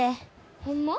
ホンマ？